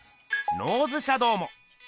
ノーズシャドウも。